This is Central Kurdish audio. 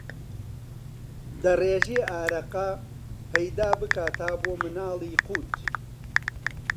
دەڕێژێ ئارەقە، پەیدا بکا تا بۆ مناڵی قووت